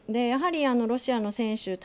やはり、ロシアの選手